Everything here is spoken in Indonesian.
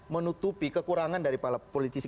menutupi kekurangan dari politisi